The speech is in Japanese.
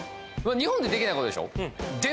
日本でできないことでしょ？